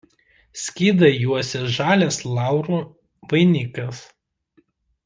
Skydą juosia žalias laurų vainikas.